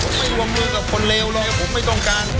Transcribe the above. ผมไม่วงมือกับคนเลวเลยผมไม่ต้องการ